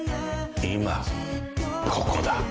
今ここだ